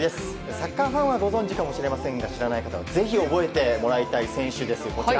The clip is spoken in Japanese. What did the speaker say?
サッカーファンはご存じかもしれませんが知らない方はぜひ覚えてもらいたい選手です。